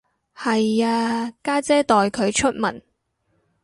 係啊，家姐代佢出文